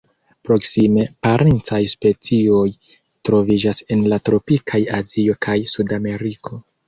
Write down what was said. Proksime parencaj specioj troviĝas en la tropikaj Azio kaj Sudameriko.